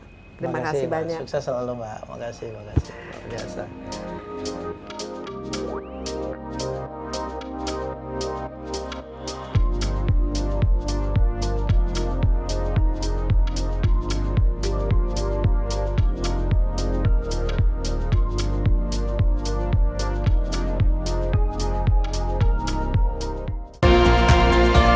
terima kasih banyak